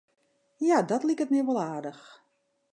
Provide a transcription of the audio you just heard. Ja, dat liket my wol aardich.